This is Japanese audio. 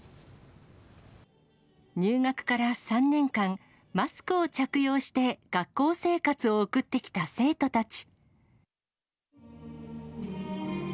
入学から３年間、マスクを着用して学校生活を送ってきた生徒たち。